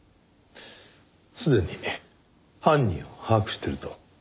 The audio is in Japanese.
すでに犯人を把握していると？